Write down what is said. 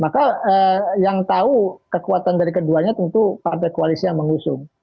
maka yang tahu kekuatan dari keduanya tentu partai koalisi yang mengusung